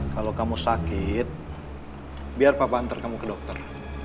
kalau kamu sakit biar papa antar kamu ke dokter